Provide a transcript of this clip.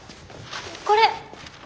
これ！